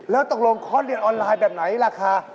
แล้วตกลงคอร์สเรียนออนไลน์แบบไหนราคา